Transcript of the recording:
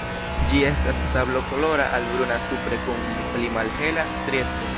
Ĝi estas sablokolora al bruna supre kun pli malhela strieco.